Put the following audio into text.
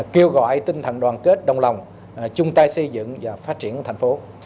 kêu gọi tinh thần đoàn kết đồng lòng chung tay xây dựng và phát triển thành phố